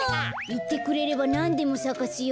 いってくれればなんでもさかすよ。